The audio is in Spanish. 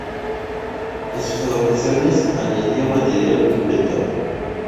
En sus adaptaciones añadía material inventado.